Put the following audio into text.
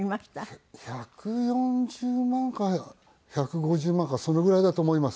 １４０万か１５０万かそのぐらいだと思います。